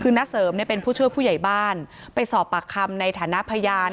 คือน้าเสริมเนี่ยเป็นผู้ช่วยผู้ใหญ่บ้านไปสอบปากคำในฐานะพยาน